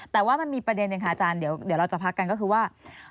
แต่ว่ามันมีประเด็นหนึ่งค่ะอาจารย์เดี๋ยวเราจะพักกันก็คือว่า